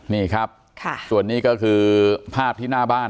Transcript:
นี่ครับส่วนนี้ก็คือภาพที่หน้าบ้าน